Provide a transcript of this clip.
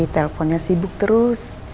teleponnya sibuk terus